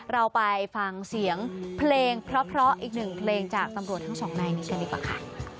เราไปฟังเสียงเพลงเพราะอีกหนึ่งเพลงจากตำรวจทั้งสองนายนี้กันดีกว่าค่ะ